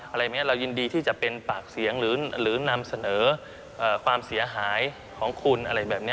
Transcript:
อะไรอย่างนี้เรายินดีที่จะเป็นปากเสียงหรือนำเสนอความเสียหายของคุณอะไรแบบนี้